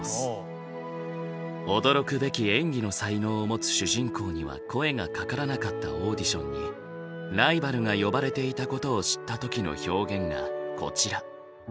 驚くべき演技の才能を持つ主人公には声がかからなかったオーディションにライバルが呼ばれていたことを知った時の表現がこちら。